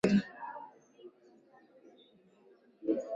ngozi nao wamekuwa wakitetea kuwa ukubwa wa baraza la mawaziri